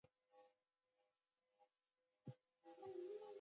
هغوی یوځای د روښانه بام له لارې سفر پیل کړ.